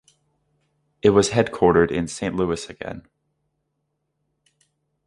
It was headquartered in Saint Louis again.